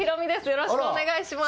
よろしくお願いします